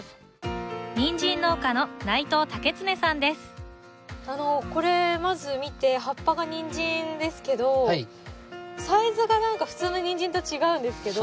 ニンジン農家のこれまず見て葉っぱがニンジンですけどサイズがなんか普通のニンジンと違うんですけど。